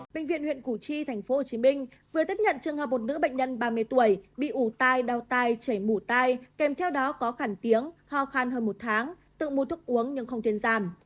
bệnh viện huyện củ chi tp hcm vừa tiếp nhận trường hợp một nữ bệnh nhân ba mươi tuổi bị ủ tai đau tai chảy mủ tai kèm theo đó có khẳng tiếng ho khăn hơn một tháng tự mua thuốc uống nhưng không tuyên giam